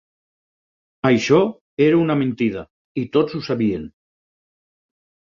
Això era una mentida, i tots ho sabien.